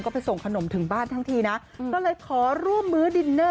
ไปส่งขนมถึงบ้านทั้งทีนะก็เลยขอร่วมมื้อดินเนอร์